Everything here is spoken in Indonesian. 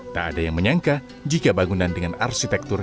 tak ada yang menyangka jika bangunan dengan arsitektur